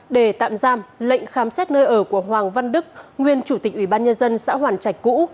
để tạm giam lệnh khám xét nơi ở của hoàng văn đức nguyên chủ tịch ủy ban nhân dân xã hoàn trạch cũ